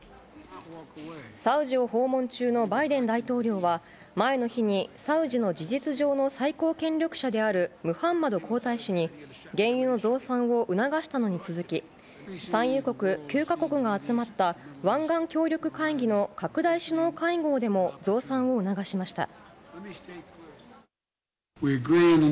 サウジを訪問中のバイデン大統領は、前の日にサウジの事実上の最高権力者であるムハンマド皇太子に原油の増産を促したのに続き、産油国９か国が集まった湾岸協力会議の拡大首脳会合でも増産を促しました。